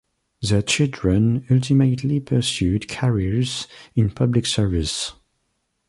Their children ultimately pursued careers in public service.